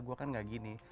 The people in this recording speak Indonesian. saya kan tidak begini